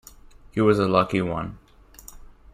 He was a lucky one.